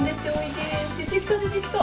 でてきたでてきた。